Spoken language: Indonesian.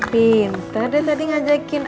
pinter deh tadi ngajakin